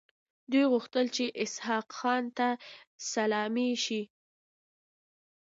دوی غوښتل چې اسحق خان ته سلامي شي.